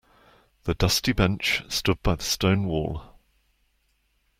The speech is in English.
The dusty bench stood by the stone wall.